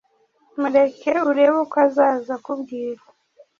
mureke urebe uko azaza akubwira